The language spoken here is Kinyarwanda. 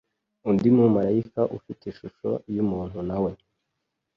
undi mumarayika ufite ishusho y'umuntu na we,